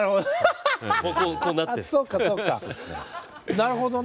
なるほどね。